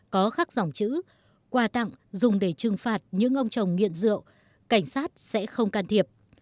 có khắc dòng chữ quà tặng dùng để trừng phạt những ông chồng nghiện rượu cảnh sát sẽ không can thiệp